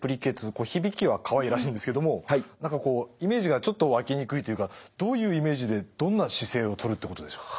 これ響きはかわいらしいんですけども何かイメージがちょっと湧きにくいというかどういうイメージでどんな姿勢をとるってことでしょうか。